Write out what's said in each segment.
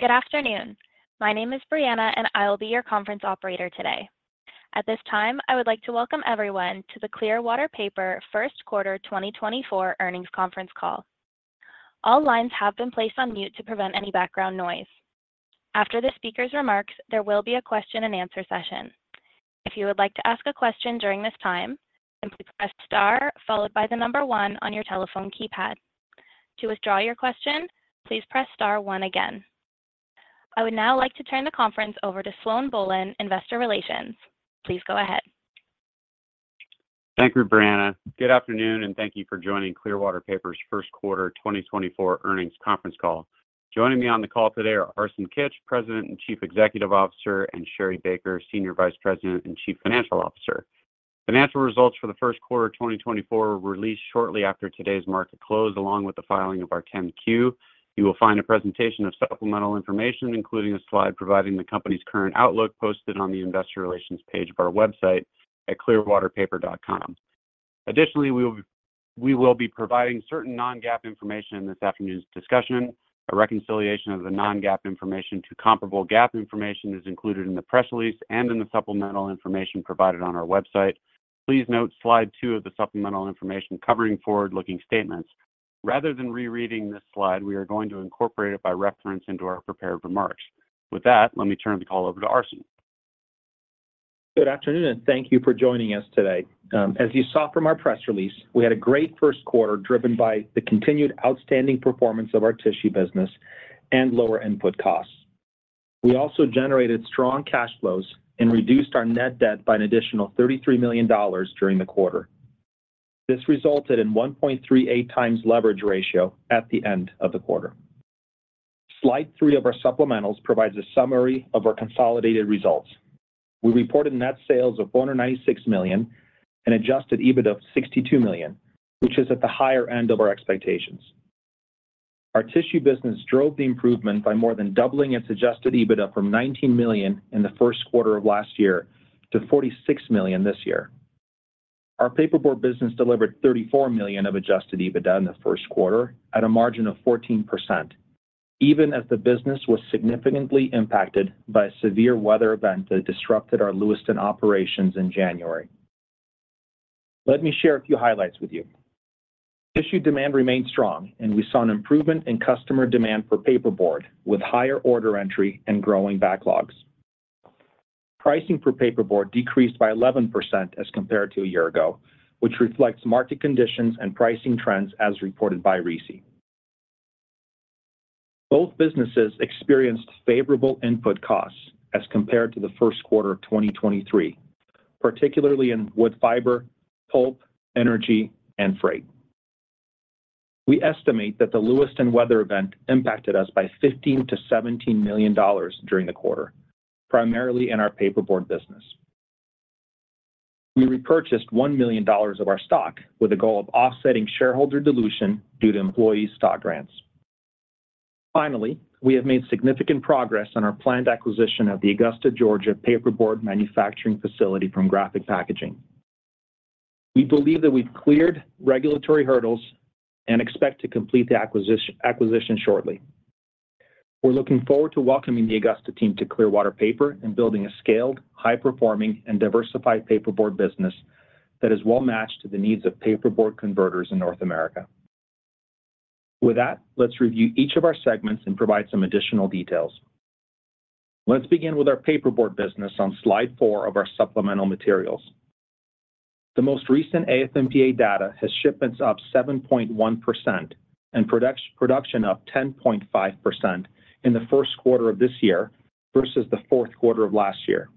Good afternoon. My name is Brianna, and I will be your conference operator today. At this time, I would like to welcome everyone to the Clearwater Paper first quarter 2024 earnings conference call. All lines have been placed on mute to prevent any background noise. After the speaker's remarks, there will be a question and answer session. If you would like to ask a question during this time, simply press star followed by the number one on your telephone keypad. To withdraw your question, please press star one again. I would now like to turn the conference over to Sloan Bohlen, Investor Relations. Please go ahead. Thank you, Brianna. Good afternoon, and thank you for joining Clearwater Paper's first quarter 2024 earnings conference call. Joining me on the call today are Arsen Kitch, President and Chief Executive Officer, and Sherri Baker, Senior Vice President and Chief Financial Officer. Financial results for the first quarter of 2024 were released shortly after today's market close, along with the filing of our 10-Q. You will find a presentation of supplemental information, including a slide providing the company's current outlook, posted on the investor relations page of our website at clearwaterpaper.com. Additionally, we will be providing certain non-GAAP information in this afternoon's discussion. A reconciliation of the non-GAAP information to comparable GAAP information is included in the press release and in the supplemental information provided on our website. Please note slide 2 of the supplemental information covering forward-looking statements. Rather than rereading this slide, we are going to incorporate it by reference into our prepared remarks. With that, let me turn the call over to Arsen. Good afternoon, and thank you for joining us today. As you saw from our press release, we had a great first quarter, driven by the continued outstanding performance of our Tissue business and lower input costs. We also generated strong cash flows and reduced our net debt by an additional $33 million during the quarter. This resulted in 1.38 times leverage ratio at the end of the quarter. Slide three of our supplementals provides a summary of our consolidated results. We reported net sales of $496 million and Adjusted EBITDA of $62 million, which is at the higher end of our expectations. Our Tissue business drove the improvement by more than doubling its adjusted EBITDA from $19 million in the first quarter of last year to $46 million this year. Our Paperboard business delivered $34 million of Adjusted EBITDA in the first quarter at a margin of 14%, even as the business was significantly impacted by a severe weather event that disrupted our Lewiston operations in January. Let me share a few highlights with you. Tissue demand remained strong, and we saw an improvement in customer demand for paperboard, with higher order entry and growing backlogs. Pricing for paperboard decreased by 11% as compared to a year ago, which reflects market conditions and pricing trends as reported by RISI. Both businesses experienced favorable input costs as compared to the first quarter of 2023, particularly in wood fiber, pulp, energy, and freight. We estimate that the Lewiston weather event impacted us by $15 million-$17 million during the quarter, primarily in our paperboard business. We repurchased $1 million of our stock with a goal of offsetting shareholder dilution due to employee stock grants. Finally, we have made significant progress on our planned acquisition of the Augusta, Georgia, paperboard manufacturing facility from Graphic Packaging. We believe that we've cleared regulatory hurdles and expect to complete the acquisition shortly. We're looking forward to welcoming the Augusta team to Clearwater Paper and building a scaled, high-performing, and diversified paperboard business that is well-matched to the needs of paperboard converters in North America. With that, let's review each of our segments and provide some additional details. Let's begin with our Paperboard business on slide four of our supplemental materials. The most recent AF&PA data has shipments up 7.1% and production up 10.5% in the first quarter of this year versus the fourth quarter of last year.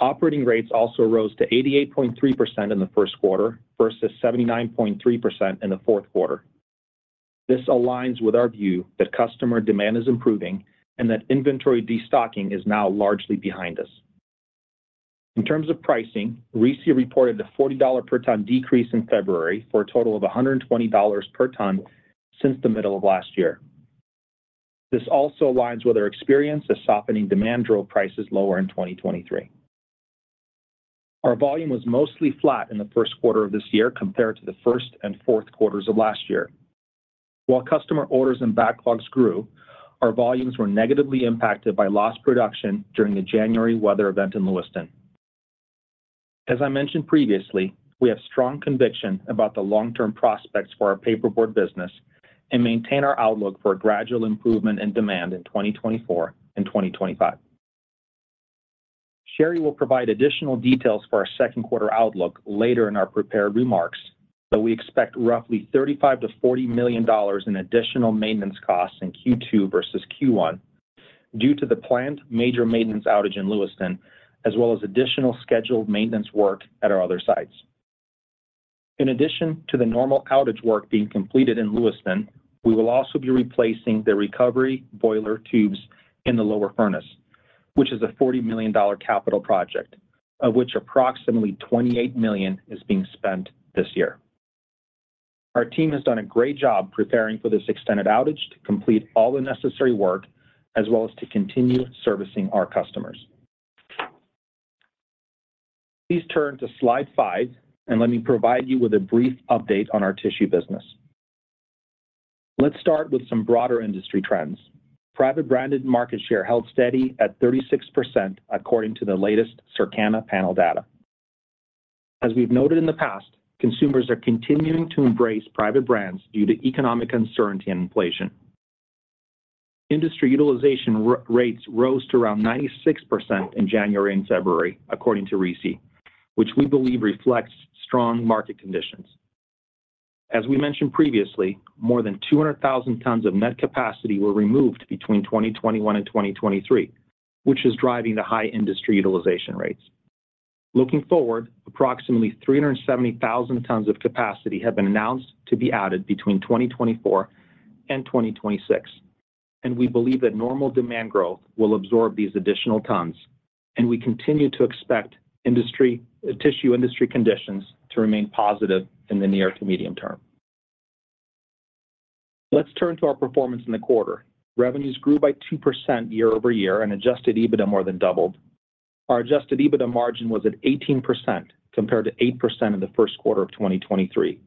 Operating rates also rose to 88.3% in the first quarter versus 79.3% in the fourth quarter. This aligns with our view that customer demand is improving and that inventory destocking is now largely behind us. In terms of pricing, RISI reported a $40 per ton decrease in February for a total of $120 per ton since the middle of last year. This also aligns with our experience as softening demand drove prices lower in 2023. Our volume was mostly flat in the first quarter of this year compared to the first and fourth quarters of last year. While customer orders and backlogs grew, our volumes were negatively impacted by lost production during the January weather event in Lewiston. As I mentioned previously, we have strong conviction about the long-term prospects for our paperboard business and maintain our outlook for a gradual improvement in demand in 2024 and 2025. Sherri will provide additional details for our second quarter outlook later in our prepared remarks, but we expect roughly $35-$40 million in additional maintenance costs in Q2 versus Q1 due to the planned major maintenance outage in Lewiston, as well as additional scheduled maintenance work at our other sites. In addition to the normal outage work being completed in Lewiston, we will also be replacing the recovery boiler tubes in the lower furnace, which is a $40 million capital project, of which approximately $28 million is being spent this year. Our team has done a great job preparing for this extended outage to complete all the necessary work, as well as to continue servicing our customers. Please turn to slide five, and let me provide you with a brief update on our Tissue business. Let's start with some broader industry trends. Private branded market share held steady at 36%, according to the latest Circana panel data. As we've noted in the past, consumers are continuing to embrace private brands due to economic uncertainty and inflation. Industry utilization rates rose to around 96% in January and February, according to RISI, which we believe reflects strong market conditions. As we mentioned previously, more than 200,000 tons of net capacity were removed between 2021 and 2023, which is driving the high industry utilization rates. Looking forward, approximately 370,000 tons of capacity have been announced to be added between 2024 and 2026, and we believe that normal demand growth will absorb these additional tons, and we continue to expect tissue industry conditions to remain positive in the near to medium term. Let's turn to our performance in the quarter. Revenues grew by 2% year-over-year and adjusted EBITDA more than doubled. Our adjusted EBITDA margin was at 18%, compared to 8% in the first quarter of 2023.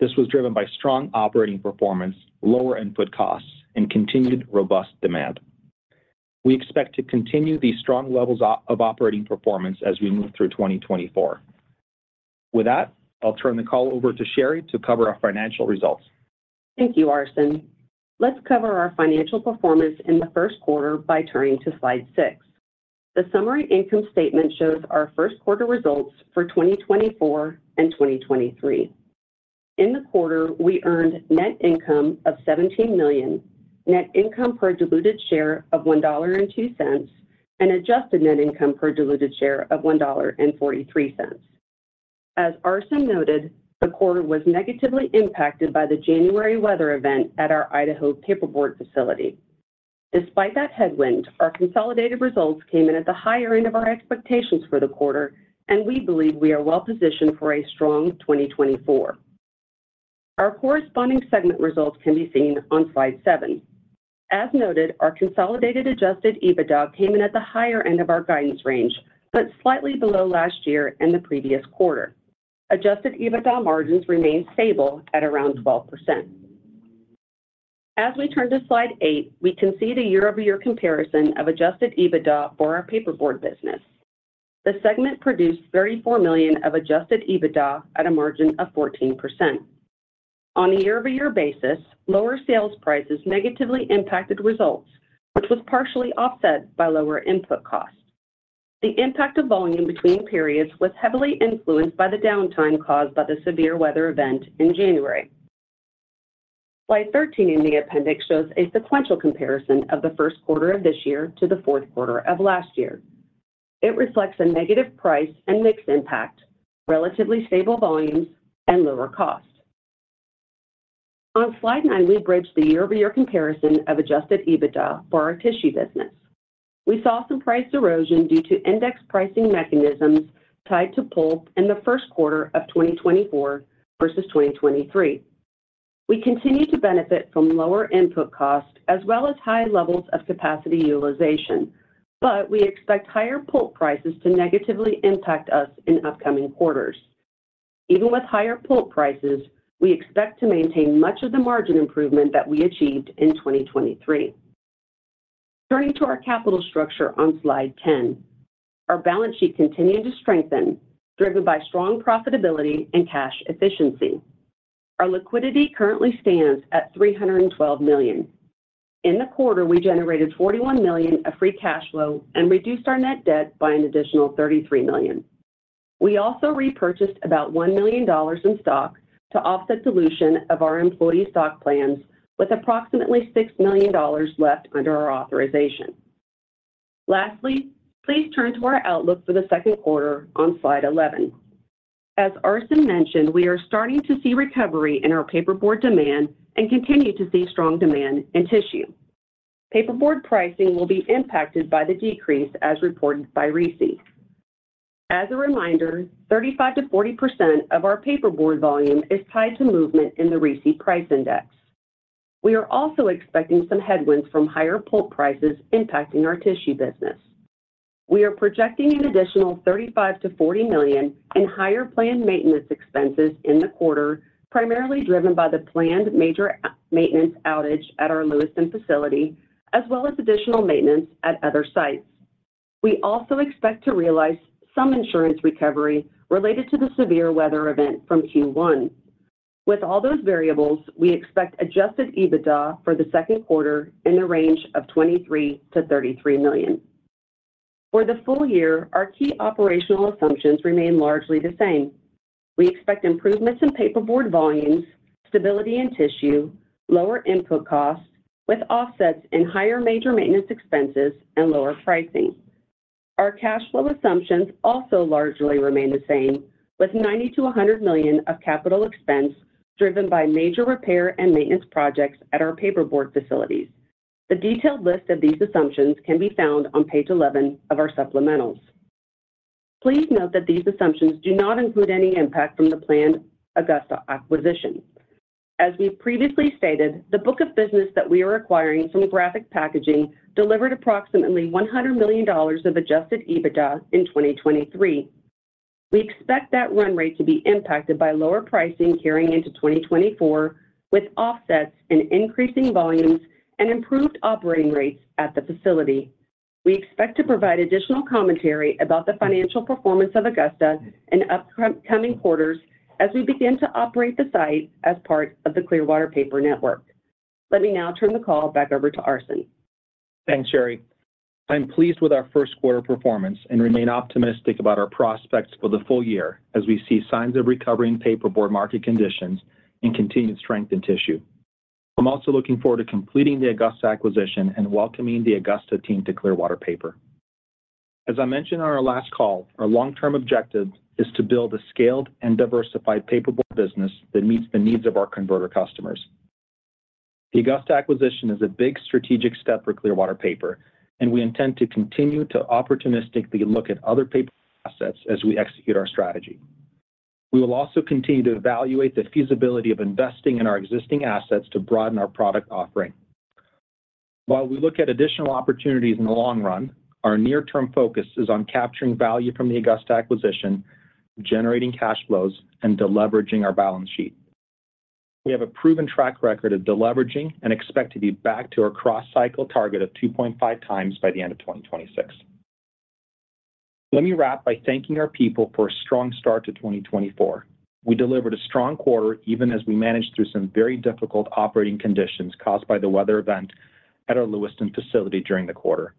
This was driven by strong operating performance, lower input costs, and continued robust demand. We expect to continue these strong levels of operating performance as we move through 2024. With that, I'll turn the call over to Sherri to cover our financial results. Thank you, Arsen. Let's cover our financial performance in the first quarter by turning to slide six. The summary income statement shows our first quarter results for 2024 and 2023. In the quarter, we earned net income of $17 million, net income per diluted share of $1.02, and adjusted net income per diluted share of $1.43. As Arsen noted, the quarter was negatively impacted by the January weather event at our Idaho paperboard facility. Despite that headwind, our consolidated results came in at the higher end of our expectations for the quarter, and we believe we are well positioned for a strong 2024. Our corresponding segment results can be seen on slide seven. As noted, our consolidated adjusted EBITDA came in at the higher end of our guidance range, but slightly below last year and the previous quarter. Adjusted EBITDA margins remained stable at around 12%. As we turn to slide eight, we can see the year-over-year comparison of adjusted EBITDA for our Paperboard business. The segment produced $34 million of adjusted EBITDA at a margin of 14%. On a year-over-year basis, lower sales prices negatively impacted results, which was partially offset by lower input costs. The impact of volume between periods was heavily influenced by the downtime caused by the severe weather event in January. Slide 13 in the appendix shows a sequential comparison of the first quarter of this year to the fourth quarter of last year. It reflects a negative price and mix impact, relatively stable volumes, and lower costs. On slide 9, we bridge the year-over-year comparison of adjusted EBITDA for our tissue business. We saw some price erosion due to index pricing mechanisms tied to pulp in the first quarter of 2024 versus 2023. We continue to benefit from lower input costs as well as high levels of capacity utilization, but we expect higher pulp prices to negatively impact us in upcoming quarters. Even with higher pulp prices, we expect to maintain much of the margin improvement that we achieved in 2023. Turning to our capital structure on slide 10, our balance sheet continued to strengthen, driven by strong profitability and cash efficiency. Our liquidity currently stands at $312 million. In the quarter, we generated $41 million of free cash flow and reduced our net debt by an additional $33 million. We also repurchased about $1 million in stock to offset dilution of our employee stock plans, with approximately $6 million left under our authorization. Lastly, please turn to our outlook for the second quarter on slide 11. As Arsen mentioned, we are starting to see recovery in our paperboard demand and continue to see strong demand in tissue. Paperboard pricing will be impacted by the decrease as reported by RISI. As a reminder, 35%-40% of our paperboard volume is tied to movement in the RISI price index. We are also expecting some headwinds from higher pulp prices impacting our Tissue business. We are projecting an additional $35 million-$40 million in higher planned maintenance expenses in the quarter, primarily driven by the planned major maintenance outage at our Lewiston facility, as well as additional maintenance at other sites. We also expect to realize some insurance recovery related to the severe weather event from Q1. With all those variables, we expect adjusted EBITDA for the second quarter in the range of $23 million-$33 million. For the full year, our key operational assumptions remain largely the same. We expect improvements in paperboard volumes, stability in tissue, lower input costs, with offsets in higher major maintenance expenses and lower pricing. Our cash flow assumptions also largely remain the same, with $90 million-$100 million of capital expense driven by major repair and maintenance projects at our paperboard facilities. The detailed list of these assumptions can be found on page 11 of our supplementals. Please note that these assumptions do not include any impact from the planned Augusta acquisition. As we've previously stated, the book of business that we are acquiring from Graphic Packaging delivered approximately $100 million of adjusted EBITDA in 2023. We expect that run rate to be impacted by lower pricing carrying into 2024, with offsets in increasing volumes and improved operating rates at the facility. We expect to provide additional commentary about the financial performance of Augusta in upcoming quarters as we begin to operate the site as part of the Clearwater Paper network. Let me now turn the call back over to Arsen. Thanks, Sherri. I'm pleased with our first quarter performance and remain optimistic about our prospects for the full year as we see signs of recovering paperboard market conditions and continued strength in tissue. I'm also looking forward to completing the Augusta acquisition and welcoming the Augusta team to Clearwater Paper. As I mentioned on our last call, our long-term objective is to build a scaled and diversified paperboard business that meets the needs of our converter customers. The Augusta acquisition is a big strategic step for Clearwater Paper, and we intend to continue to opportunistically look at other paper assets as we execute our strategy. We will also continue to evaluate the feasibility of investing in our existing assets to broaden our product offering. While we look at additional opportunities in the long run, our near-term focus is on capturing value from the Augusta acquisition, generating cash flows, and deleveraging our balance sheet. We have a proven track record of deleveraging and expect to be back to our cross-cycle target of 2.5 times by the end of 2026. Let me wrap by thanking our people for a strong start to 2024. We delivered a strong quarter, even as we managed through some very difficult operating conditions caused by the weather event at our Lewiston facility during the quarter.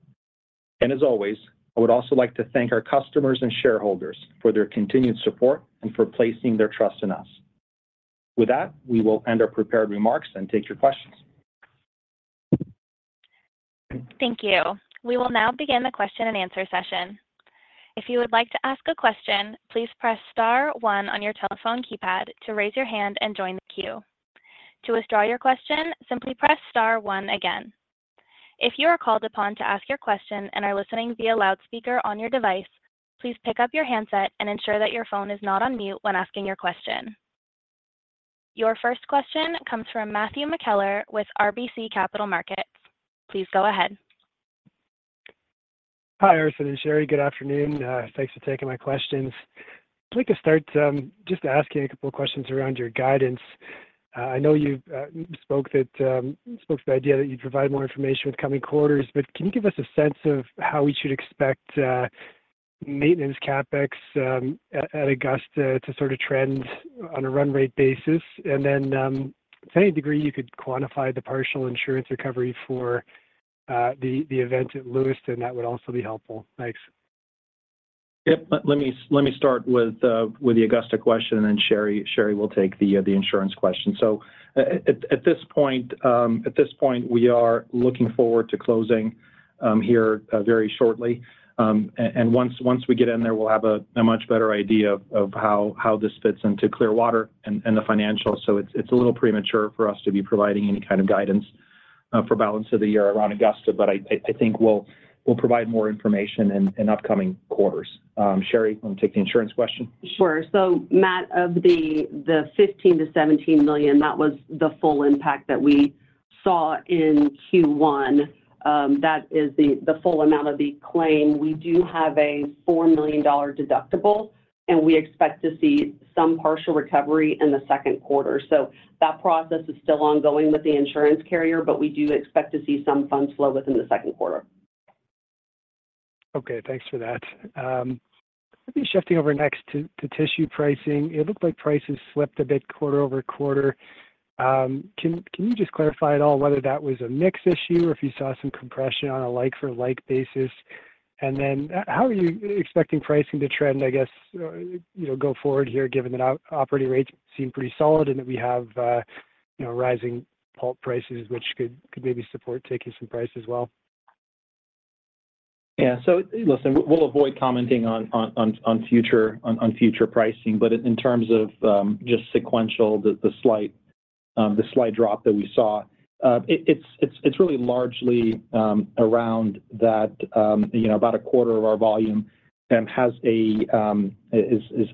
And as always, I would also like to thank our customers and shareholders for their continued support and for placing their trust in us. With that, we will end our prepared remarks and take your questions. Thank you. We will now begin the question and answer session. If you would like to ask a question, please press star one on your telephone keypad to raise your hand and join the queue. To withdraw your question, simply press star one again. If you are called upon to ask your question and are listening via loudspeaker on your device, please pick up your handset and ensure that your phone is not on mute when asking your question. Your first question comes from Matthew McKellar with RBC Capital Markets. Please go ahead. Hi, Arsen and Sherri. Good afternoon. Thanks for taking my questions. I'd like to start, just asking a couple of questions around your guidance. I know you spoke to the idea that you'd provide more information with coming quarters, but can you give us a sense of how we should expect maintenance CapEx at Augusta to sort of trend on a run rate basis? And then, to any degree you could quantify the partial insurance recovery for the event at Lewiston, that would also be helpful. Thanks. Yep. Let me start with the Augusta question, and then Sherri will take the insurance question. So at this point, we are looking forward to closing here very shortly. And once we get in there, we'll have a much better idea of how this fits into Clearwater and the financials. So it's a little premature for us to be providing any kind of guidance for balance of the year around Augusta, but I think we'll provide more information in upcoming quarters. Sherri, you want to take the insurance question? Sure. So Matt, of the $15 million-$17 million, that was the full impact that we saw in Q1. That is the full amount of the claim. We do have a $4 million deductible, and we expect to see some partial recovery in the second quarter. So that process is still ongoing with the insurance carrier, but we do expect to see some funds flow within the second quarter. Okay, thanks for that. Let me shift over next to tissue pricing. It looked like prices slipped a bit quarter-over-quarter. Can you just clarify at all whether that was a mix issue or if you saw some compression on a like-for-like basis? And then how are you expecting pricing to trend, I guess, you know, go forward here, given that operating rates seem pretty solid and that we have, you know, rising pulp prices, which could maybe support a tick up in price as well? Yeah. So listen, we'll avoid commenting on future pricing. But in terms of just sequential, the slight drop that we saw, it's really largely around that, you know, about a quarter of our volume is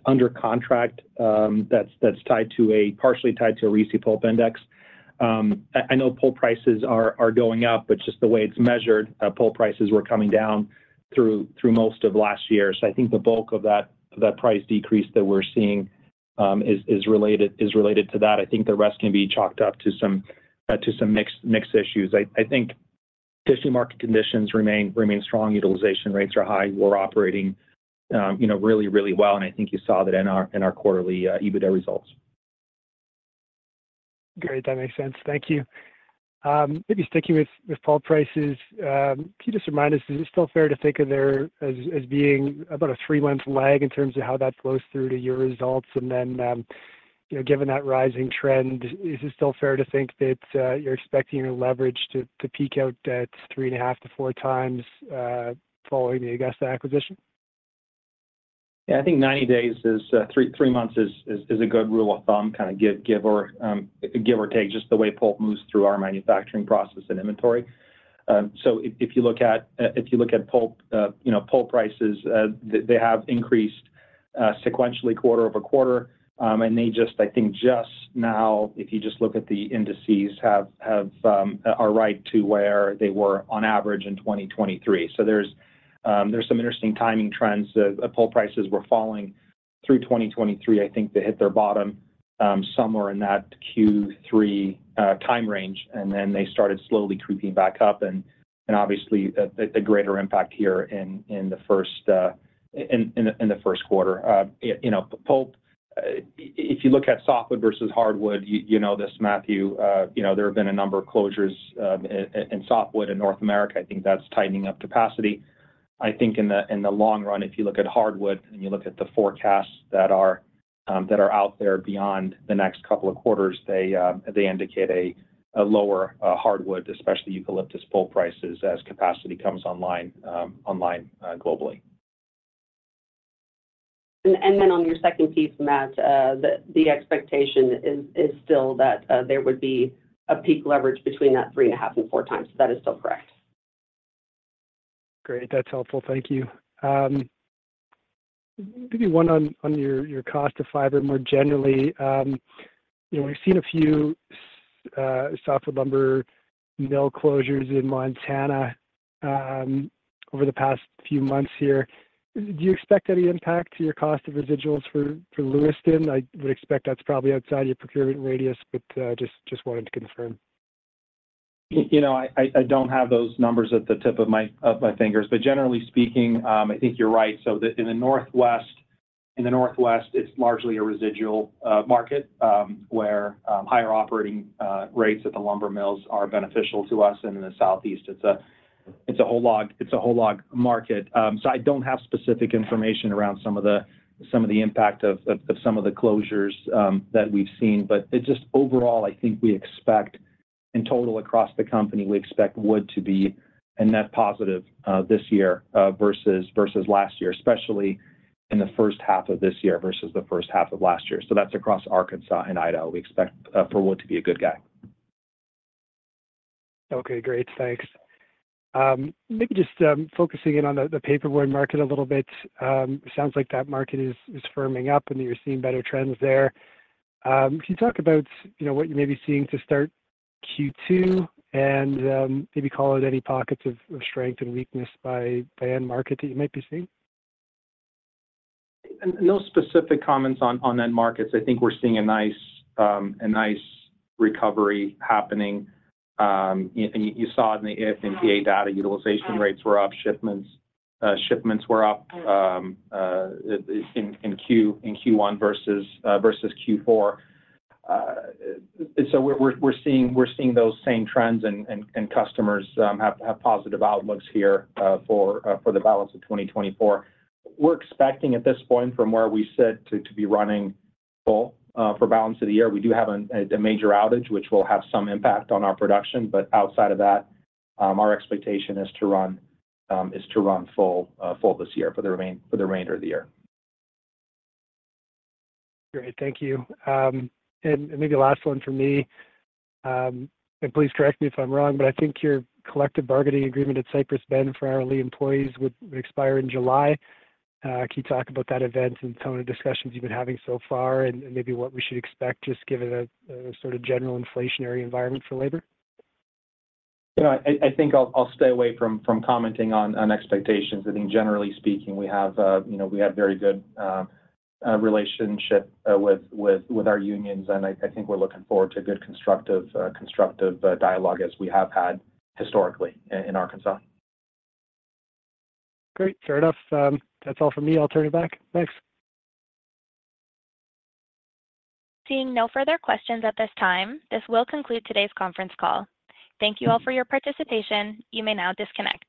under contract, that's partially tied to a RISI pulp index. I know pulp prices are going up, but just the way it's measured, pulp prices were coming down through most of last year. So I think the bulk of that price decrease that we're seeing is related to that. I think the rest can be chalked up to some mix issues. I think tissue market conditions remain strong. Utilization rates are high. We're operating, you know, really, really well, and I think you saw that in our quarterly EBITDA results. Great. That makes sense. Thank you. Maybe sticking with pulp prices, can you just remind us, is it still fair to think of there as being about a 3-month lag in terms of how that flows through to your results? And then, you know, given that rising trend, is it still fair to think that you're expecting your leverage to peak out at 3.5-4 times following the Augusta acquisition? Yeah, I think 90 days is three months is a good rule of thumb, kind of give or take, just the way pulp moves through our manufacturing process and inventory. So if you look at pulp, you know, pulp prices, they have increased sequentially, quarter-over-quarter. And they just, I think, just now, if you just look at the indices, are right to where they were on average in 2023. So there's some interesting timing trends. The pulp prices were falling through 2023. I think they hit their bottom, somewhere in that Q3 time range, and then they started slowly creeping back up, and obviously, the greater impact here in the first quarter. You know, pulp, if you look at softwood versus hardwood, you know this, Matthew, you know, there have been a number of closures in softwood in North America. I think that's tightening up capacity. I think in the long run, if you look at hardwood and you look at the forecasts that are out there beyond the next couple of quarters, they indicate a lower hardwood, especially eucalyptus pulp prices, as capacity comes online globally. Then, on your second piece, Matt, the expectation is still that there would be a peak leverage between that 3.5 and 4 times. That is still correct. Great. That's helpful. Thank you. Maybe one on your cost to fiber more generally. You know, we've seen a few softwood lumber mill closures in Montana over the past few months here. Do you expect any impact to your cost of residuals for Lewiston? I would expect that's probably outside your procurement radius, but just wanted to confirm. You know, I don't have those numbers at the tip of my fingers, but generally speaking, I think you're right. So, in the Northwest, it's largely a residual market, where higher operating rates at the lumber mills are beneficial to us. And in the Southeast, it's a whole log market. So I don't have specific information around some of the impact of some of the closures that we've seen. But it just overall, I think we expect, in total across the company, we expect wood to be a net positive, this year, versus last year, especially in the first half of this year versus the first half of last year. So that's across Arkansas and Idaho. We expect for wood to be a good guy. Okay, great. Thanks. Maybe just focusing in on the Paperboard market a little bit. Sounds like that market is firming up and that you're seeing better trends there. Can you talk about, you know, what you may be seeing to start Q2 and maybe call out any pockets of strength and weakness by end market that you might be seeing? No specific comments on end markets. I think we're seeing a nice, a nice recovery happening. And you saw it in the AF&PA data. Utilization rates were up, shipments, shipments were up, in Q1 versus Q4. So we're seeing those same trends, and customers have positive outlooks here, for the balance of 2024. We're expecting at this point from where we sit, to be running full, for balance of the year. We do have a major outage, which will have some impact on our production, but outside of that, our expectation is to run full this year for the remainder of the year. Great. Thank you. Maybe last one from me, and please correct me if I'm wrong, but I think your collective bargaining agreement at Cypress Bend for hourly employees would expire in July. Can you talk about that event and the tone of discussions you've been having so far and maybe what we should expect, just given the sort of general inflationary environment for labor? You know, I think I'll stay away from commenting on expectations. I think generally speaking, we have, you know, we have very good relationship with our unions, and I think we're looking forward to a good, constructive dialogue, as we have had historically in Arkansas. Great. Fair enough. That's all for me. I'll turn it back. Thanks. Seeing no further questions at this time, this will conclude today's conference call. Thank you all for your participation. You may now disconnect.